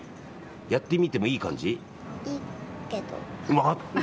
やってみてもいい感じ？